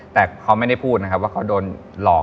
แต่เขาไม่ได้พูดนะครับว่าเขาโดนหลอก